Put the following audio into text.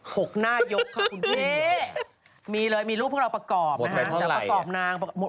หกหน้ายกครับคุณพี่มีเลยมีรูปพวกเราประกอบนะฮะแต่ประกอบนางหมดไปเท่าไหร่